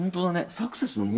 サクセス！